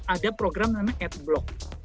ada program namanya adblock